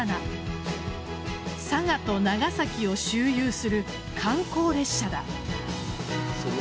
佐賀と長崎を周遊する観光列車だ。